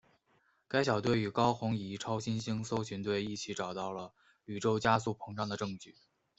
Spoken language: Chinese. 该小队与高红移超新星搜寻队一起找到了宇宙加速膨胀的证据。